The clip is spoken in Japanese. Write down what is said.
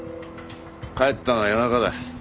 帰ったのは夜中だ。